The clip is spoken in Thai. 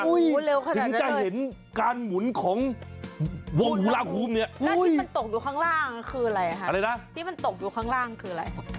ถึงจะเห็นการหมุนของวงฮุลาฮูมเนี่ยแล้วที่มันตกอยู่ข้างล่างคืออะไรคะอะไรนะที่มันตกอยู่ข้างล่างคืออะไร